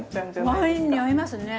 ワインに合いますね。